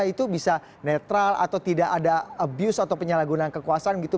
itu bisa netral atau tidak ada abuse atau penyalahgunaan kekuasaan gitu